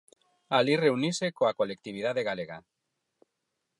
Alí reuniuse coa colectividade galega.